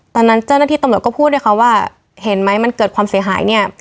ตอนนั้นเจ้าหน้าที่ตำรวจก็พูดด้วยค่ะว่าเห็นไหมมันเกิดความเสียหายเนี่ย